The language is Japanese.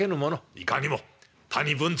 いかにも谷文晁。